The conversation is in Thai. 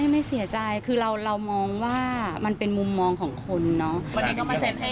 ไม่เสียใจคือเรามองว่ามันเป็นมุมมองของคนเนาะ